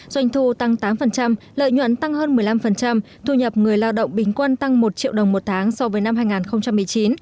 doanh thu tăng tám lợi nhuận tăng hơn một mươi năm thu nhập người lao động bình quân tăng một triệu đồng một tháng so với năm hai nghìn một mươi chín